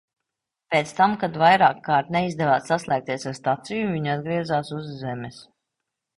Pēc tam, kad vairākkārt neizdevās saslēgties ar staciju, viņi atgriezās uz Zemes.